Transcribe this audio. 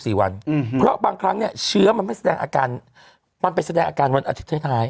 สี่วันอืมเพราะบางครั้งเนี้ยเชื้อมันไม่แสดงอาการมันไปแสดงอาการวันอาทิตย์ท้ายท้าย